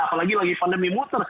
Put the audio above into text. apalagi lagi pandemi muter